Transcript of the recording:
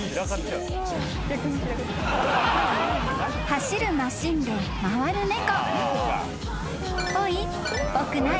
［走るマシンで回る猫］